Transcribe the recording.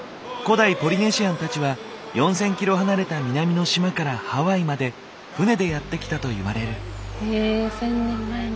古代ポリネシアンたちは４，０００キロ離れた南の島からハワイまで船でやって来たと言われる。